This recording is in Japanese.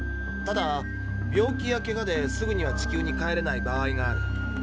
ただ病気やケガですぐには地球に帰れない場合がある。